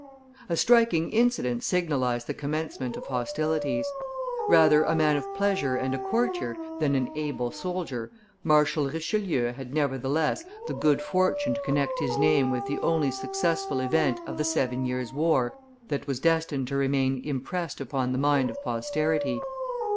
A striking incident signalized the commencement of hostilities. Rather a man of pleasure and a courtier than an able soldier, Marshal Richelieu had, nevertheless, the good fortune to connect his name with the only successful event of the Seven Years' War that was destined to remain impressed upon the mind of posterity.